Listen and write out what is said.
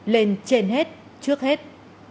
lên trên hết trước hết